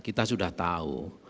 kita sudah tahu